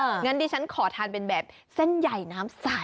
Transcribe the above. งั้นดิฉันขอทานเป็นแบบเส้นใหญ่น้ำใส